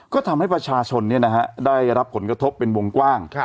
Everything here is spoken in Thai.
ก็ทำให้ประชาชนได้รับผลกระทบเป็นวงกว้าง